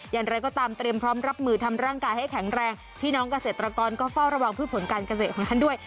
อย่างไรก็ตามเตรียมพร้อมรับมือทำร่างกายให้แข็งแรงพี่น้องเกษตรกรก็เฝ้าระวังพืชผลการเกษตรของท่านด้วย